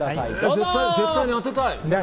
絶対に当てたい！